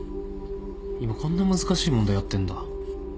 今こんな難しい問題やってんだ。